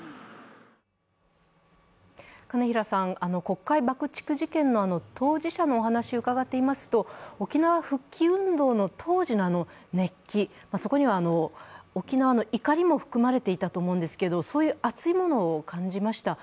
金平さん、国会爆竹事件の当事者のお話を伺っていますと、沖縄復帰運動の当時の熱気、そこには沖縄の怒りも含まれていたと思うんですけど、そういう熱いものを感じました。